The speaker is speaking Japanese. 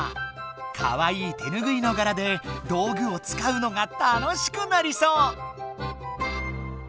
かわいい手ぬぐいの柄でどうぐをつかうのが楽しくなりそう！